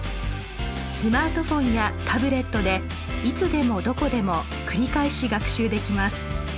スマートフォンやタブレットでいつでもどこでも繰り返し学習できます。